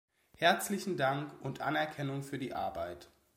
Herzlichen Dank und Anerkennung für die Arbeit.